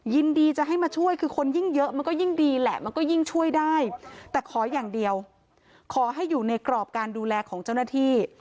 ยินดีจะให้มาช่วยคือคนยิ่งเยอะมันก็ยิ่งดีแหละมันก็ยิ่งช่วยได้แต่ขออย่างเดียวขอให้อยู่ในกรอบการดูแลของเจ้าหน้าที่